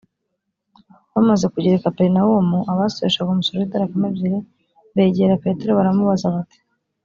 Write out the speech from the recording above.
bamaze kugera i kaperinawumu abasoreshaga umusoro w idarakama ebyiri begera petero baramubaza bati